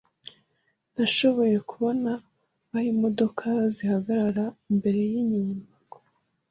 Nashoboye kubona aho imodoka zihagarara imbere yinyubako.